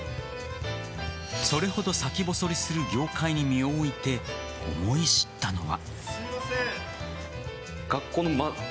それほど先細りする業界に身を置いて思い知ったのは。